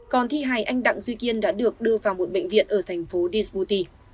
còn thi hài anh đặng duy kiên đã được đưa vào một bệnh viện ở thành phố dsbouti